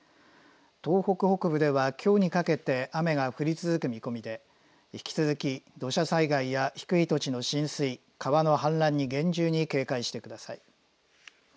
東北北部では、きょうにかけて雨が降り続く見込みで引き続き土砂災害や低い土地の浸水、川の氾濫に厳重に警戒してください。